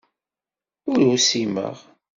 Ur usimeɣ.